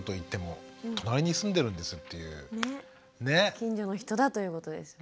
近所の人だということですね。